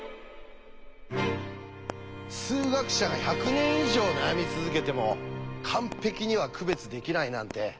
数学者が１００年以上悩み続けても完璧には区別できないなんて